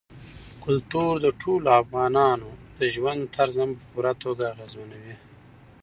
کلتور د ټولو افغانانو د ژوند طرز هم په پوره توګه اغېزمنوي.